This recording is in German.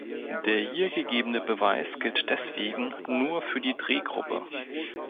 Der hier gegebene Beweis gilt deswegen nur für die Drehgruppe.